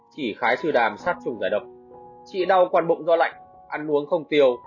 chỉ khái sư đàm sát trùng giải độc chỉ đau quan bụng do lạnh ăn uống không tiêu